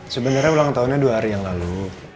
sebenarnya ulang tahunnya dua hari yang lalu